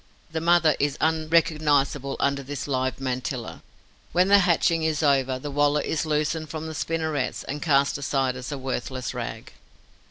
The mother is unrecognizable under this live mantilla. When the hatching is over, the wallet is loosened from the spinnerets and cast aside as a worthless rag.